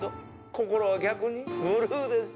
心は逆にブルーです。